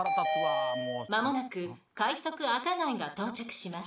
間もなく快速赤貝が到着します。